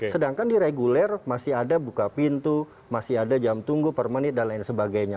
sedangkan di reguler masih ada buka pintu masih ada jam tunggu per menit dan lain sebagainya